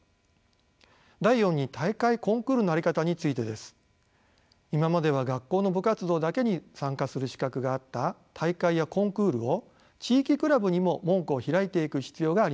第四に大会・コンクールのあり方についてです。今までは学校の部活動だけに参加する資格があった大会やコンクールを地域クラブにも門戸を開いていく必要があります。